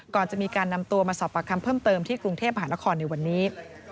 ก่อนจะมีการนำตัวมาสอบปากคำเพิ่มเติมที่กรุงเทพหานครในวันนี้